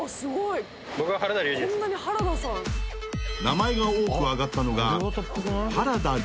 ［名前が多くあがったのが］